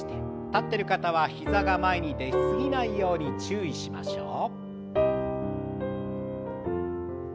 立ってる方は膝が前に出過ぎないように注意しましょう。